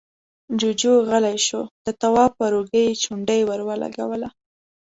جُوجُو غلی شو، د تواب پر اوږه يې چونډۍ ور ولګوله: